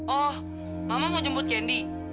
oh mama mau jemput kendi